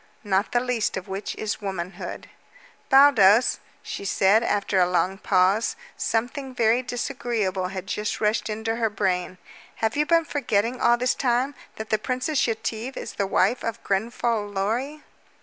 "Not the least of which is womanhood." "Baldos," she said after a long pause. Something very disagreeable had just rushed into her brain. "Have you been forgetting all this time that the Princess Yetive is the wife of Grenfall Lorry?"